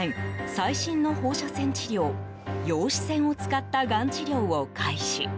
最新の放射線治療陽子線を使ったがん治療を開始。